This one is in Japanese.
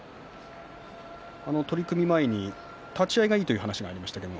取組前に立ち合いがいいという話がありました。